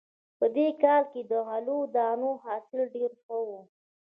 په دې کال کې د غلو دانو حاصل ډېر ښه و